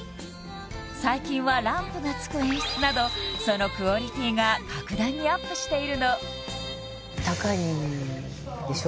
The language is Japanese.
最近はランプがつく演出などそのクオリティーが格段にアップしているの高いでしょ？